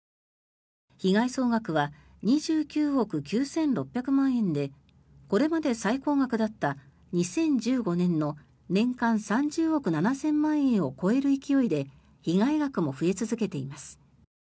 被害総額は２９億９６００万円でこれまで最高額だった２０１５年の年間３０億７０００万円を超える勢いで被害額も増え続けています。